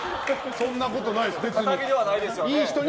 そんなことないです、別に。